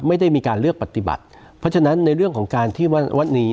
ไม่ได้มีการเลือกปฏิบัติเพราะฉะนั้นในเรื่องของการที่วัดวัดนี้